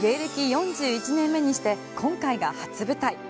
４１年目にして今回が初舞台。